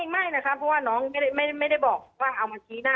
ไม่นะคะเพราะว่าน้องไม่ได้บอกว่าเอามาชี้หน้า